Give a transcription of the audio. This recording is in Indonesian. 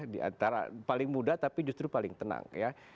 di antara paling muda tapi justru paling tenang ya